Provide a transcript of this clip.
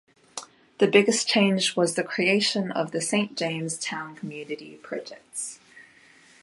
The biggest change was the creation of the Saint James Town Community Projects.